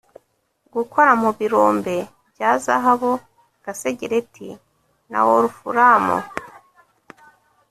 gukora mu birombe bya zahabu, Gasegereti na Wolufuramu